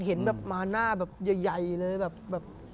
เห็นแบบมาหน้าแบบใหญ่เลยแบบ